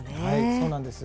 そうなんです。